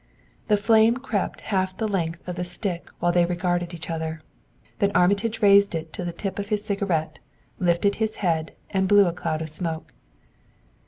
The flame crept half the length of the stick while they regarded each other; then Armitage raised it to the tip of his cigarette, lifted his head and blew a cloud of smoke.